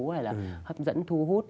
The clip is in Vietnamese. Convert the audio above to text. hay là hấp dẫn thu hút